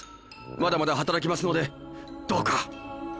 まだまだ働けますのでどうか。